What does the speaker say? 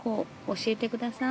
教えて下さい。